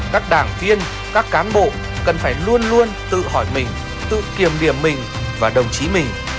cần phải luôn luôn tự hỏi mình tự kiểm điểm mình và đồng chí mình